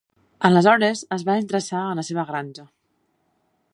Aleshores, es va interessar en la seva granja.